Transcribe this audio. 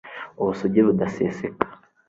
ubusugi budaseseka